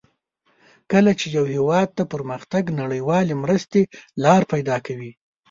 کله چې یو هېواد ته پرمختګ نړیوالې مرستې لار پیداکوي.